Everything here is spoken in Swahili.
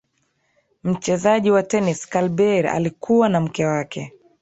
mchezaji wa tenisi karl behr alikuwa na mke wake